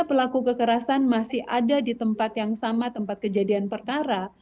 pelaku kekerasan masih ada di tempat yang sama tempat kejadian perkara